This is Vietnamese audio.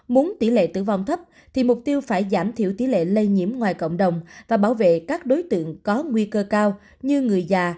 muốn tỷ lệ tử vong thấp thì mục tiêu phải giảm thiểu tỷ lệ lây nhiễm ngoài cộng đồng và bảo vệ các đối tượng có nguy cơ cao như người già